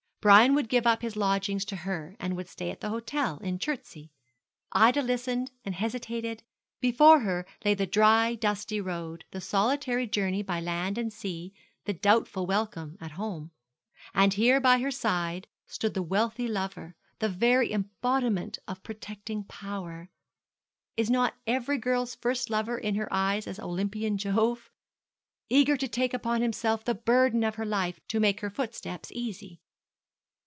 Brian would give up his lodgings to her, and would stay at the hotel at Chertsey. Ida listened, and hesitated: before her lay the dry, dusty road, the solitary journey by land and sea, the doubtful welcome at home. And here by her side stood the wealthy lover, the very embodiment of protecting power is not every girl's first lover in her eyes as Olympian Jove? eager to take upon himself the burden of her life, to make her footsteps easy.